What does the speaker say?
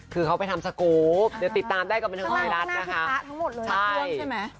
คือเขาไปทำสกูปติดตามได้กับบันทึกไทรัศน์นะครับใช่ข้างหน้าขึ้นพระทั้งหมดเลย